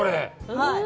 はい。